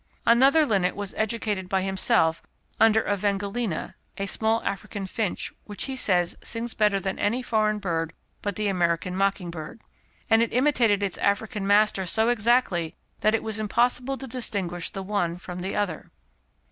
Another linnet was educated by himself under a vengolina (a small African finch, which he says sings better than any foreign bird but the American mocking bird), and it imitated its African master so exactly that it was impossible to distinguish the one from the other.